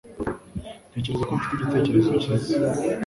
Ntekereza ko mfite igitekerezo cyiza